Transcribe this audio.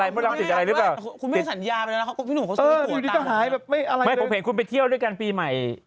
ไม่ผมเห็นคุณไปเที่ยวด้วยกันปีใหม่